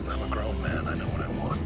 saya pikir itu adalah kesalahan